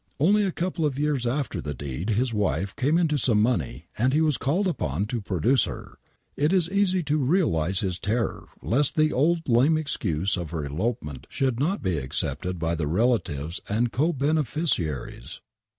Only a couple of years after tbe deed bis wife came into some money and be was called upon to produce ber. It is easy to realize bis terror lest tbe old lame excuse of ber clopment sbould not be accepted by tbe relatives and oo bene fioiaries.